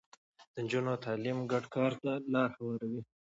د نجونو تعليم ګډ کار ته لاره هواروي.